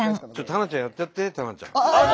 たなちゃんやってやってたなちゃん。